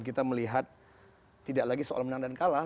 kita melihat tidak lagi soal menang dan kalah